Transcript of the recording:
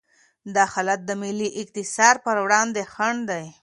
دا حالت د ملي اقتصاد پر وړاندې خنډ دی.